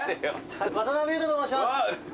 渡辺裕太と申します。